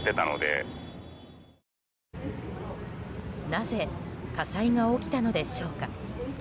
なぜ火災が起きたのでしょうか。